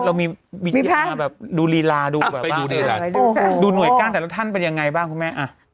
เรามีวิธีมาแบบดูลีลาดูแบบไปดูดีล่ะดูหน่วยก้านแต่ละท่านเป็นยังไงบ้างคุณแม่